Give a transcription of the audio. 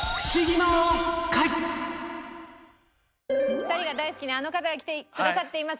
２人が大好きなあの方が来てくださっています。